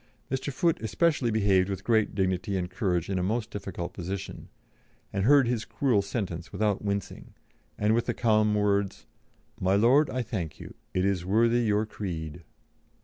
Mr. Foote especially behaved with great dignity and courage in a most difficult position, and heard his cruel sentence without wincing, and with the calm words, "My Lord, I thank you; it is worthy your creed."